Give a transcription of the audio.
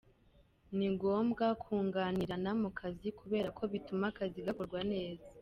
Ni ngombwa kunganirana mu kazi kubera ko bituma akazi gakorwa neza.